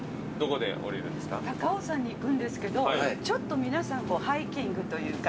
高尾山に行くんですけどちょっと皆さんハイキングというか。